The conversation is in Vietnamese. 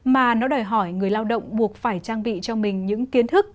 mà nó đòi hỏi người lao động buộc phải trang bị cho mình những kiến thức